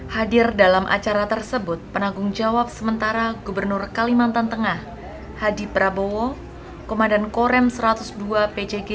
hadir dalam acara tersebut penanggung jawab sementara gubernur kalimantan tengah hadi prabowo komandan korem satu ratus dua pjg kolonel arah hanut purwo sudaryanto dan jajaran terkait